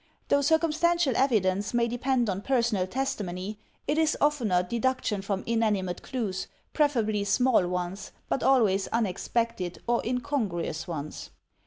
Though circumstantial evidence may depend on personal testimony, it is oftener deduction from inanimate clues, preferably small ones, but always unexpected or incongruous ones.